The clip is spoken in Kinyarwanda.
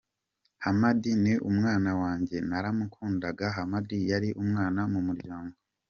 Hamad ni umwana wanjye, naramukundaga, Hamad yari umwana mu muryango.